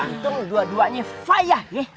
antu dua duanya fayah ye